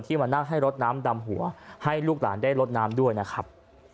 มานั่งให้รถน้ำดำหัวให้ลูกหลานได้ลดน้ำด้วยนะครับ